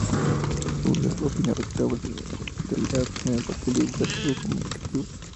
Ulloa opinaba que la obra debía tener un papel divulgativo y comunicativo.